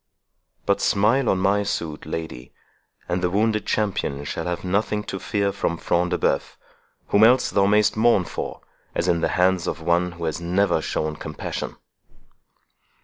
But smile on my suit, lady, and the wounded champion shall have nothing to fear from Front de Bœuf, whom else thou mayst mourn for, as in the hands of one who has never shown compassion."